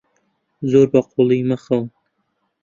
زۆر بەقووڵی مەخەون.